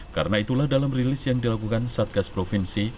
karena itulah dalam rilis yang dilakukan satgas provinsi